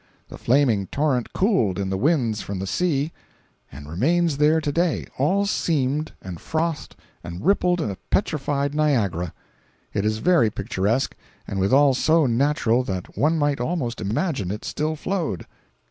The flaming torrent cooled in the winds from the sea, and remains there to day, all seamed, and frothed and rippled a petrified Niagara. It is very picturesque, and withal so natural that one might almost imagine it still flowed.